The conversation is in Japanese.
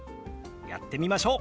やってみましょう。